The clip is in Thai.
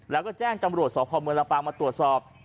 แล้วก็แจ้งจำรวจสพเมืองลำปางมาตรวจสอบ